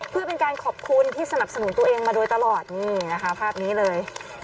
เพื่อเป็นการขอบคุณที่สนับสนุนตัวเองมาโดยตลอดนี่นะคะภาพนี้เลย